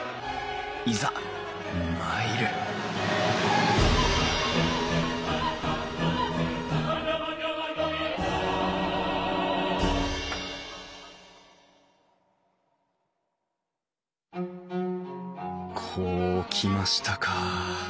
いざ参るこうきましたか。